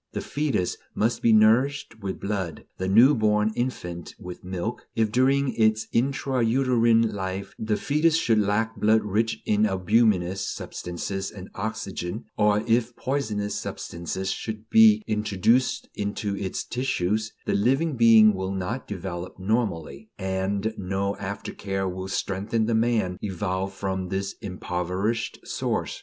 The foetus must be nourished with blood; the new born infant with milk. If during its intra uterine life the foetus should lack blood rich in albuminous substances and oxygen, or if poisonous substances should be introduced into its tissues, the living being will not develop normally, and no after care will strengthen the man evolved from this impoverished source.